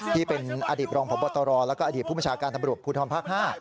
ที่เป็นอดีตรองพบตรแล้วก็อดีตผู้บัญชาการตำรวจภูทรภาค๕